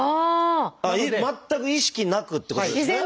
全く意識なくってことですね。